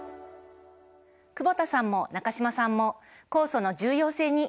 久保田さんも中島さんも酵素の重要性に気付いたようですね。